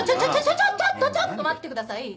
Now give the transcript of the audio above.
ちょっちょっとちょっと待ってください。